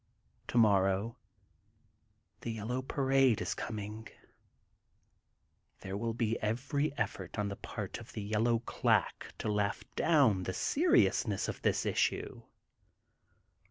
Tomorrow the Yellow Parade is com ing. There will be every effort on the part of the yellow claque to laugh down the seri ousness of the issue.